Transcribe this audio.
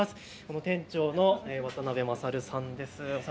店長の渡部賢さんです。